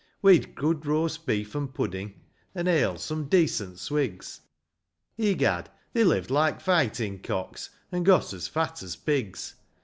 We'd good roast beef and pudding, And ale some decent swigs ; Egad ! they liv'd like fighting cocks, And got as fat as pigs.